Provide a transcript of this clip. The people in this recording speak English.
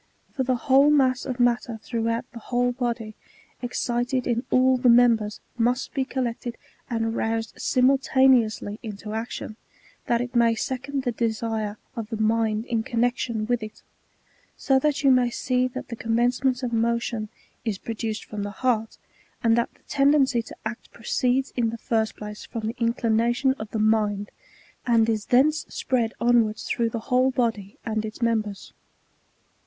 For the whole mass of matter throughout the whole body, excited in all the members, must be collected,^ aind roused, simul taneously into action, that it may second the desire of the mind in connexion with it ; so that you may see that the commencement of motion is produced from the heart, and that the tendency to act proceeds in the first place from the in clination of the mind, and is thence spread onwards through the whole body and its members.